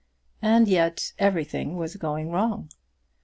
And yet everything was going wrong!